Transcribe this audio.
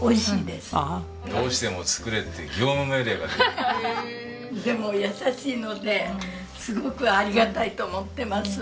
でも優しいのですごくありがたいと思ってます。